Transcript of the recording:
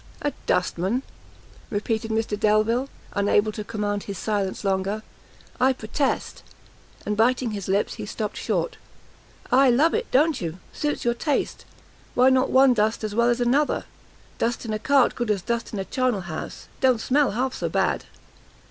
"A dust man!" repeated Mr Delvile, unable to command his silence longer, "I protest" and biting his lips, he stopt short. "Ay, love it, don't you? suits your taste; why not one dust as well as another? Dust in a cart good as dust of a charnel house; don't smell half so bad."